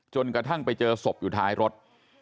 กระทั่งไปเจอศพอยู่ท้ายรถ